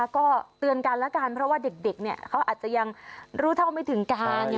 ก็เตือนกันแล้วกันเพราะว่าเด็กเขาอาจจะยังรู้เท่าไม่ถึงการ